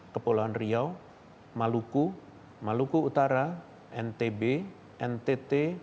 kepulauan riau maluku maluku utara ntb ntt